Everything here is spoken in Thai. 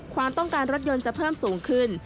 ความต้องการรถยนต์จะเพิ่มสูงขึ้น